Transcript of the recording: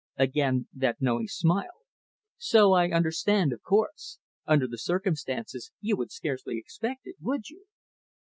Again, that knowing smile. "So I understand, of course. Under the circumstances, you would scarcely expect it, would you?"